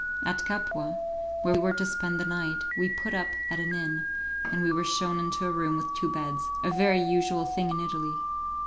At Capua, where we were to spend the night, we put up at an inn, and were shown into a room with two beds a very usual thing in Italy.